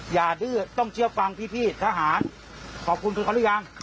อย่าดื้อต้องเชื่อฟังพี่ทหารขอบคุณคุณครับ